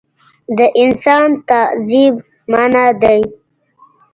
د انسان تعذیب منعه دی.